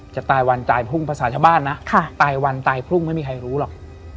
จะตายวันตายพรุ่งภาษาชาวบ้านนะตายวันตายพรุ่งไม่มีใครรู้หรอก